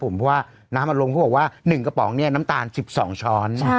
เพราะว่าน้ำอารมณ์พูดมาว่า๑กระป๋องน้ำตาล๑๒ช้อน